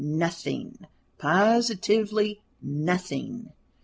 Nothing positively nothing."